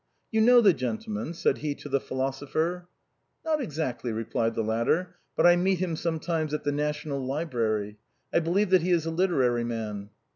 " You know the gentleman ?" said he to the philosopher. " Not exactly," replied the latter, " but I meet him some times at the National Library. I believe that he is a literary man."